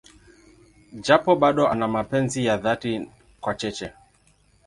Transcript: Japo bado ana mapenzi ya dhati kwa Cheche.